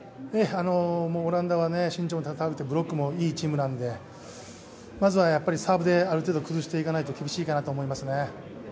オランダは身長が高くて、ブロックもいいチームなので、まずはサーブである程度崩していかないと厳しいかなと思いますね。